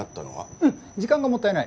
うん時間がもったいない。